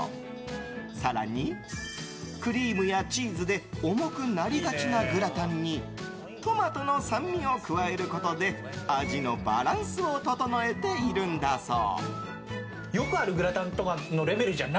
更にクリームやチーズで重くなりがちなグラタンにトマトの酸味を加えることで味のバランスを調えているんだそう。